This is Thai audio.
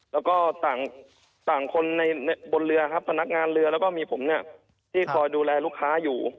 แล้วก็ต่างคนในบนเรือครับพนักงานเรือแล้วก็มีผมเนี่ยที่คอยดูแลลูกค้าอยู่